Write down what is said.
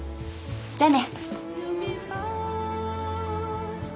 じゃあね。